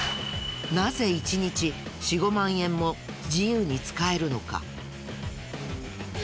なぜ１日４５万円も自由に使えるのか？